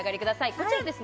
こちらですね